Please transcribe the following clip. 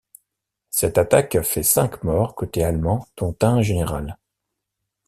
Cette attaque fait cinq morts côté allemand dont un général.